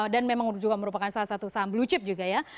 dan memang juga merupakan salah satu saham blue chip juga ya